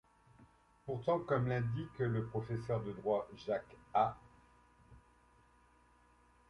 Pourtant, comme l'indique le professeur de droit Jacques-A.